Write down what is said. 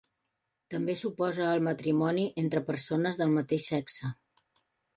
També s'oposa al matrimoni entre persones del mateix sexe.